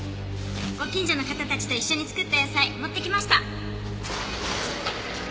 ご近所の方たちと一緒に作った野菜持ってきました。